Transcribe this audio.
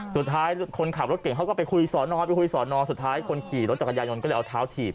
สุดท้ายคนขับรถเก่งเขาก็ไปคุยสอนอ้อสุดท้ายคนขี่รถจักรยานยนต์ก็เลยเอาเท้าถีบ